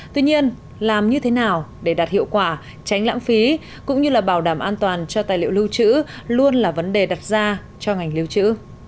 tuy nhiên làm như thế nào để đạt hiệu quả tránh lãng phí cũng như là bảo đảm an toàn cho tài liệu lưu trữ luôn là vấn đề đặt ra cho ngành lưu trữ